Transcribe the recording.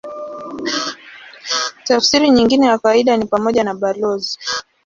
Tafsiri nyingine ya kawaida ni pamoja na balozi.